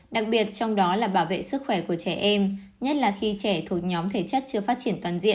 đặc biệt trong đó là bảo vệ sức khỏe của trẻ em nhất là khi trẻ thuộc nhóm thể chất chưa phát triển toàn diện